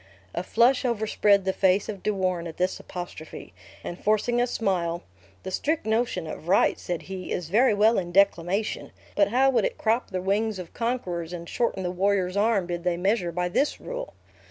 A flush overspread the face of De Warenne at this apostrophe; and forcing a smile, "The strict notion of right," said he, "is very well in declamation, but how would it crop the wings of conquerors, and shorten the warrior's arm, did they measure by this rule!"